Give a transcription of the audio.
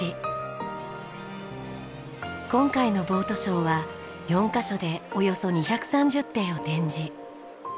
今回のボートショーは４カ所でおよそ２３０艇を展示。